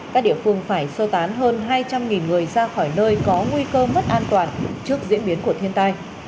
các địa phương phải sơ tán hơn hai trăm linh người ra khỏi nơi có nguy cơ mất an toàn trước diễn biến của thiên tai